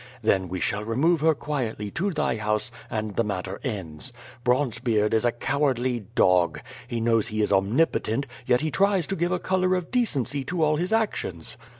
Then we shall remove her quietly to thy house and the matter ends. Bronzebeard is a cowardly dog. He knows he is omnipotent, yet he tries to give a color of decency to all his actions.